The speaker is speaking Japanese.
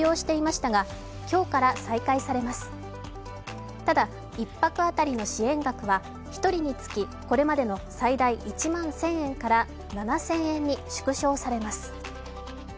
ただ、１泊当たりの支援額は１人につきこれまでの最大１万１０００円から７０００円に縮小されます。